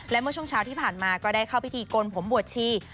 และเมื่อช่วงเช้าที่ผ่านมาก็ได้เข้าพิธีกลผมบวชชี